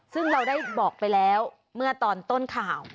ซึ่งเราได้บอกไปแล้วเมื่อตอนต้นข่าว